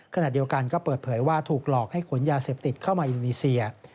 ขณะเดียวกันก็เปิดเผยว่าถูกหลอกให้ขนยาเสพติดเข้ามาอินโดนีเซีย